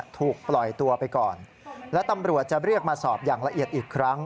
ถูกปล่อยตัวไปก่อนและตำรวจจะเรียกมาสอบอย่างละเอียดอีกครั้ง